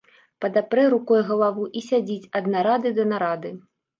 Падапрэ рукой галаву і сядзіць ад нарады да нарады.